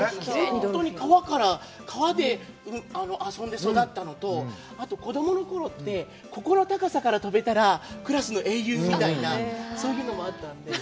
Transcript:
本当に川から、川で遊んで育ったのと、あと子供のころって、ここの高さから飛べたらクラスの英雄みたいなそういうのもあったんで。